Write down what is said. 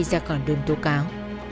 ra còn đơn tố cáo